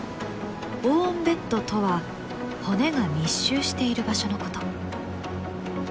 ボーンベッドとは骨が密集している場所のこと。